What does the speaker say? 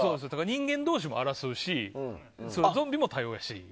人間同士も争うしゾンビもだし。